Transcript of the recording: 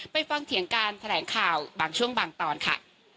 ฟังเถียงการแถลงข่าวบางช่วงบางตอนค่ะ